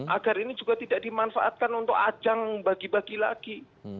agar ini juga tidak dimanfaatkan untuk ajang bagi bagi lagi